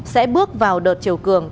sẽ bước vào đợt chiều cường